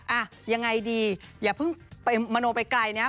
อ่ะยังไงดีอย่าเพิ่งไปมโนไปไกลนะ